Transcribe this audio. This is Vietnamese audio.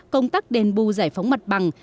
công tác đền bù giải phóng mặt bằng